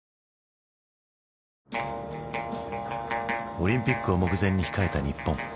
オリンピックを目前に控えた日本。